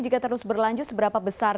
jika terus berlanjut seberapa besar